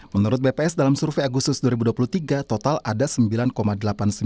menurut bps dalam survei agustus dua ribu dua puluh tiga total ada sembilan penduduk usia muda di indonesia